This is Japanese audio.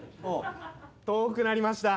遠くなりました。